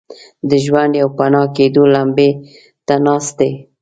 د ژوند پوپناه کېدو لمبې ته ناست دي.